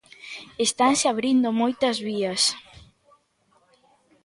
Estanse abrindo moitas vías.